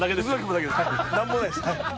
何もないです。